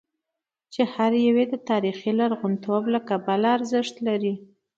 چې هر یو یې د تاریخي لرغونتوب له کبله ارزښت لري.